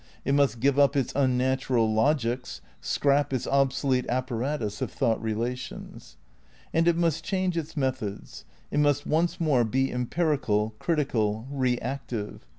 It must give up its unnatural logics, scrap its obsolete apparatus of thought relations. And it must change its methods. It must once more be empirical, critical, reactive.